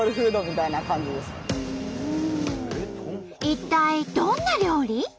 一体どんな料理？